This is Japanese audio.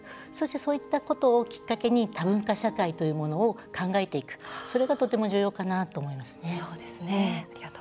そういったことをきっかけに多文化社会ということを考えていく、それがとても重要かなと思いますね。